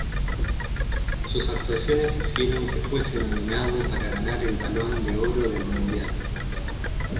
Sus actuaciones hicieron que fuese nominado para ganar el Balón de Oro del Mundial.